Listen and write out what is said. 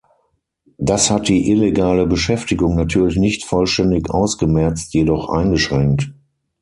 Das hat die illegale Beschäftigung natürlich nicht vollständig ausgemerzt, jedoch eingeschränkt.